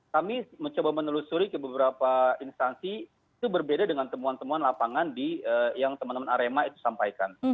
kami mencoba menelusuri ke beberapa instansi itu berbeda dengan temuan temuan lapangan yang teman teman arema itu sampaikan